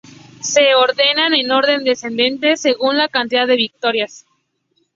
Se ordenan en orden descendente según la cantidad de victorias.